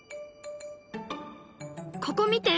ここ見て。